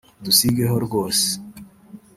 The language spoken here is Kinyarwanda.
Dusigeho rwose